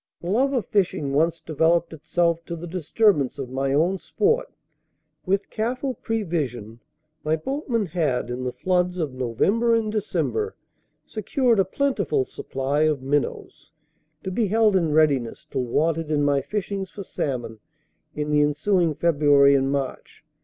The love of fishing once developed itself to the disturbance of my own sport. With careful prevision, my boatman had, in the floods of November and December, secured a plentiful supply of minnows, to be held in readiness till wanted in my fishings for salmon in the ensuing February and March.